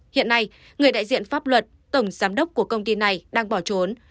hiện nay người đại diện pháp luật tổng giám đốc của công ty này đang bỏ trốn